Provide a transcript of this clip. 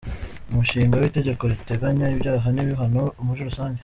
Umushinga w’Itegeko riteganya ibyaha n’ibihano muri rusange ;